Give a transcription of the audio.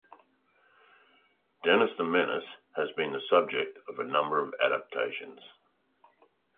"Dennis the Menace" has been the subject of a number of adaptations.